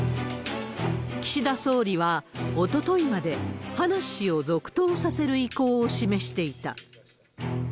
岸田総理は、おとといまで葉梨氏を続投させる意向を示していた。